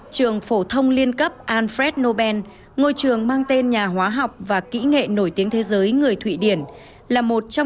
trường phổ thông liên cấp alfred nobel ngôi trường mang tên nhà hóa học và kỹ nghệ nổi tiếng thế giới người thụy điển